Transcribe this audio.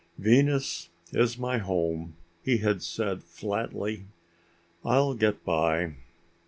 "Venus is my home," he had said flatly. "I'll get by."